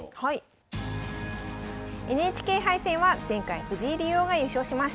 ＮＨＫ杯戦は前回藤井竜王が優勝しました。